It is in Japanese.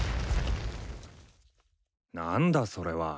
何だそれは。